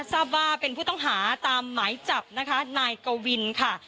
ทราบว่าเป็นผู้ต้องหาตามหมายจับนะคะนายกวินค่ะ